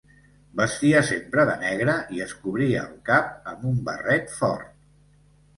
Vestia sempre de negre i es cobria el cap amb un barret fort.